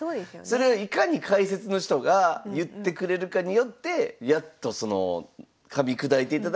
それをいかに解説の人が言ってくれるかによってやっとそのかみ砕いていただいて飲み込めるというか。